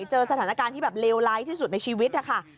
เจอสถานการณ์ที่แบบเลวร้ายที่สุดในชีวิตนะคะ